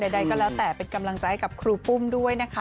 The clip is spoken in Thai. ใดก็แล้วแต่เป็นกำลังใจกับครูปุ้มด้วยนะคะ